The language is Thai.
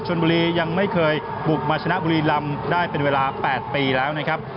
ชนบุรียังไม่เคยบุกมาชนะบุรีลำได้เป็นเวลา๘ปีแล้วนะครับ